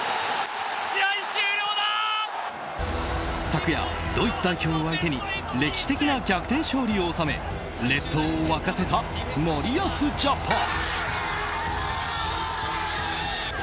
昨夜、ドイツ代表を相手に歴史的な逆転勝利を収め列島を沸かせた森保ジャパン。